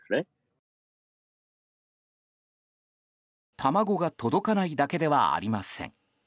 卵が届かないだけではありません。